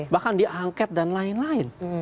bahkan diangket dan lain lain